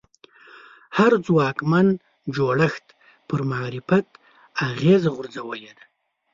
هر ځواکمن جوړښت پر معرفت اغېزه غورځولې ده